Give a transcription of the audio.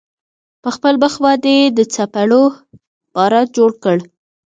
په خپل مخ باندې يې د څپېړو باران جوړ کړ.